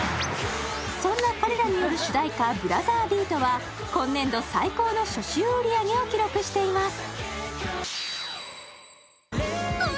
そんな彼らによる主題歌、「ブラザービート」は今年度最高初週売り上げを記録しています。